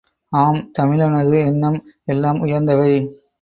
ஆம், தமிழனது எண்ணம் எல்லாம் உயர்ந்தவை.